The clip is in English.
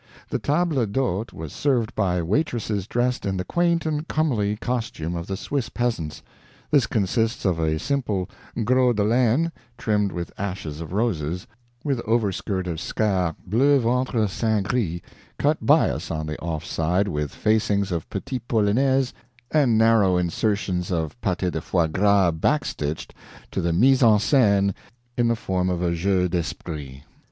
The table d'hôte was served by waitresses dressed in the quaint and comely costume of the Swiss peasants. This consists of a simple gros de laine, trimmed with ashes of roses, with overskirt of scare bleu ventre saint gris, cut bias on the off side, with facings of petit polonaise and narrow insertions of pâte de foie gras backstitched to the mise en sce`ne in the form of a jeu d'esprit.